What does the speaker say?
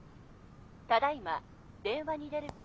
ただいま電話に出る。